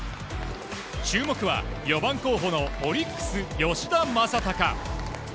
注目は４番候補のオリックス、吉田正尚。